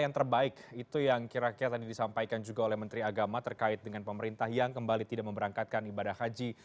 yang terbaik itu yang kira kira tadi disampaikan juga oleh menteri agama terkait dengan pemerintah yang kembali tidak memberangkatkan ibadah haji